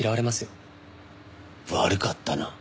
悪かったな。